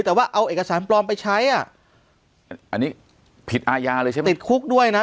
แต่ว่าเอาเอกสารปลอมไปใช้อ่ะอันนี้ผิดอาญาเลยใช่ไหมติดคุกด้วยนะ